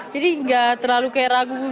jadi enggak terlalu ragu